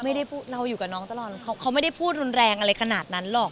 เราอยู่กับน้องตลอดเขาไม่ได้พูดรุนแรงอะไรขนาดนั้นหรอก